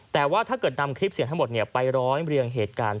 แต่ว่าถ้าเกิดนำคลิปเสียงทั้งหมดไปร้อยเรียงเหตุการณ์